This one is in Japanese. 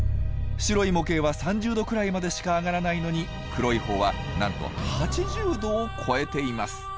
白い模型は３０℃くらいまでしか上がらないのに黒い方はなんと８０℃を超えています。